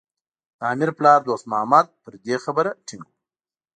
د امیر پلار دوست محمد پر دې خبره ټینګ و.